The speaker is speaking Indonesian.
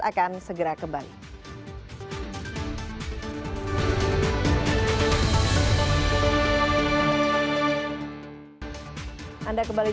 akan segera kembali